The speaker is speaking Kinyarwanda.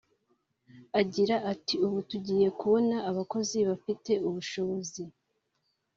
Agira ati “Ubu tugiye kubona abakozi bafite ubushobozi